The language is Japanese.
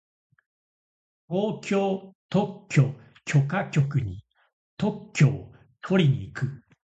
東京特許許可局に特許をとりに行く。